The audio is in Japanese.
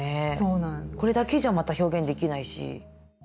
これだけじゃまた表現できないし。